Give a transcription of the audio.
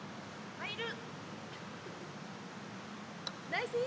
入る！